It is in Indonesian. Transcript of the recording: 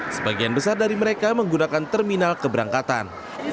sebagian besar dari mereka menggunakan terminal keberangkatan